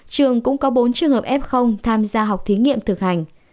trường cũng có bốn trường hợp f tham gia học thí nghiệm thực hành